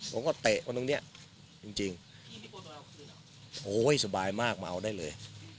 เตะคนตรงเนี้ยจริงโอ้ยสบายมากมาเอาได้เลย